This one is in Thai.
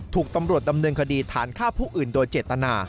ถูกตำรวจดำเนินคดีฐานฆ่าผู้อื่นโดยเจตนา